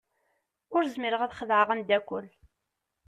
Ur zmireɣ ad xedɛeɣ ameddakel.